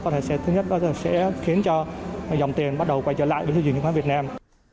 thứ nhất có thể sẽ khiến cho dòng tiền bắt đầu quay trở lại với thị trường chứng khoán việt nam